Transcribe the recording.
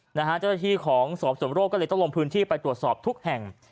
เจ้าหน้าที่ของสอบส่วนโรคก็เลยต้องลงพื้นที่ไปตรวจสอบทุกแห่ง